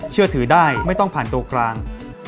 เชื่อถือได้ไม่ต้องผ่านตัวกลาง